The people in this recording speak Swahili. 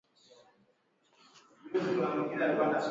Magonjwa yanayoathiri mfumo wa fahamu